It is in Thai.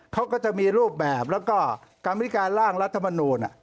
เขาก็จะมีรูปแบบแล้วก็กรรมธิการร่างรัฐมนูล